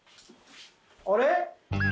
あれ？